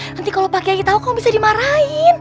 nanti kalau pakai air tau kok bisa dimarahin